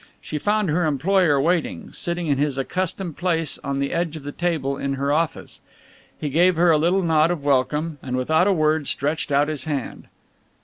She found her employer waiting, sitting in his accustomed place on the edge of the table in her office. He gave her a little nod of welcome, and without a word stretched out his hand.